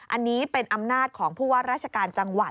อันนี้เป็นอำนาจของผู้ว่าราชการจังหวัด